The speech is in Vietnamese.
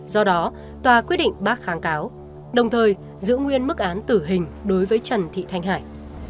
do đó tòa quyết định bác kháng cáo đồng thời giữ nguyên mức án tử hình đối với trần thị thanh hải